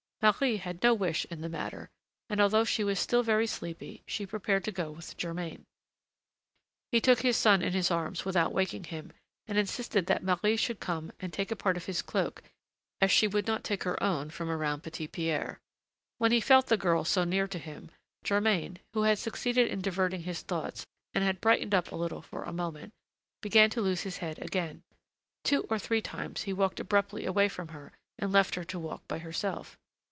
Marie had no wish in the matter; and although she was still very sleepy, she prepared to go with Germain. He took his son in his arms without waking him, and insisted that Marie should come and take a part of his cloak as she would not take her own from around Petit Pierre. When he felt the girl so near him, Germain, who had succeeded in diverting his thoughts and had brightened up a little for a moment, began to lose his head again. Two or three times he walked abruptly away from her and left her to walk by herself.